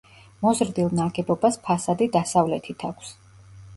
მოზრდილ ნაგებობას ფასადი დასავლეთით აქვს.